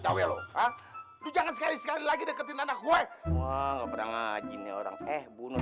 ya weh lo ha jangan sekali sekali lagi deketin anak gue wah gak pernah ngaji nih orang eh bunuh